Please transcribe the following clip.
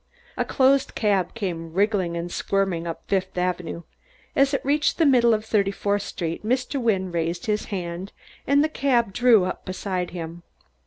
A closed cab came wriggling and squirming up Fifth Avenue. As it reached the middle of Thirty fourth Street Mr. Wynne raised his hand, and the cab drew up beside him.